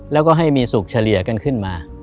แล้วก็ให้มีสุขเฉลี่ยกันขึ้นมา